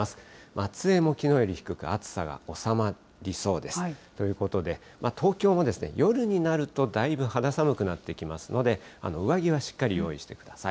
松江もきのうより低く、暑さが収まりそうです。ということで、東京も夜になると、だいぶ肌寒くなってきますので、上着はしっかり用意してください。